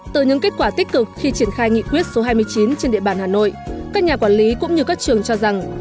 từ những kết quả tích cực khi triển khai nghị quyết số hai mươi chín trên địa bàn hà nội các nhà quản lý cũng như các trường cho rằng